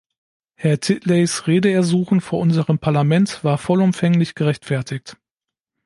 Herr Titleys Redeersuchen vor unserem Parlament war vollumfänglich gerechtfertigt.